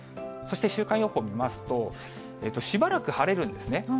そして週間予報見ますと、しばらく晴れるんですね。